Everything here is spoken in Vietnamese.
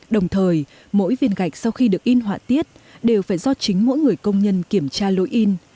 đồng thời mỗi viên gạch sau khi được in họa tiết đều phải do chính mỗi người công nhân kiểm tra lỗi in